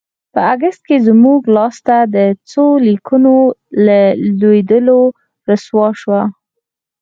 په اګست کې زموږ لاسته د څو لیکونو له لوېدلو رسوا شوه.